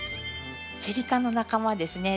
セリ科の仲間ですね。